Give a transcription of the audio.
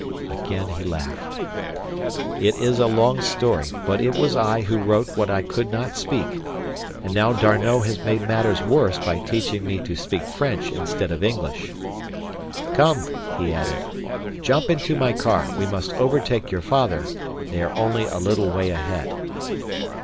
Again he laughed. "It is a long story, but it was I who wrote what I could not speak—and now D'Arnot has made matters worse by teaching me to speak French instead of English. "Come," he added, "jump into my car, we must overtake your father, they are only a little way ahead."